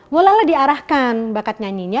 mulalah diarahkan bakat nyanyinya